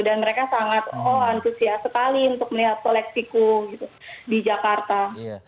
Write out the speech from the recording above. dan mereka sangat oh antusias sekali untuk melihat kolektifku di jakarta